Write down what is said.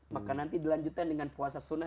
maka nanti dilanjutkan dengan puasa sunnah